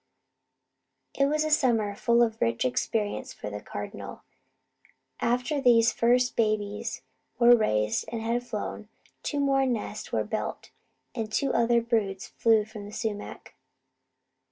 It was a summer full of rich experience for the Cardinal. After these first babies were raised and had flown, two more nests were built, and two other broods flew around the sumac.